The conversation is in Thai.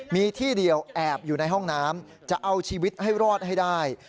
มีที่เดียวแอบอยู่ในห้องน้ำจะเอาชีวิตให้รอดให้ได้